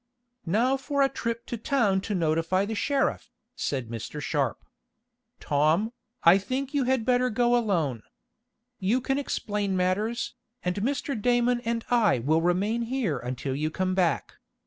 "Now for a trip to town to notify the sheriff," said Mr. Sharp. "Tom, I think you had better go alone. You can explain matters, and Mr. Damon and I will remain here until you come back.